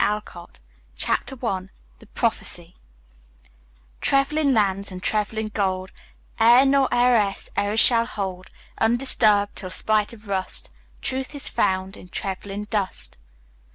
Alcott Chapter I THE PROPHECY _Trevlyn lands and Trevlyn gold, Heir nor heiress e'er shall hold, Undisturbed, till, spite of rust, Truth is found in Trevlyn dust.